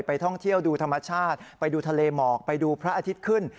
ท่องเที่ยวดูธรรมชาติไปดูทะเลหมอกไปดูพระอาทิตย์ขึ้น